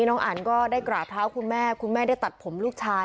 น้องอันก็ได้กราบเท้าคุณแม่คุณแม่ได้ตัดผมลูกชาย